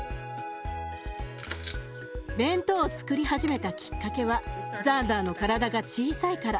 弁当をつくり始めたきっかけはザンダーの体が小さいから。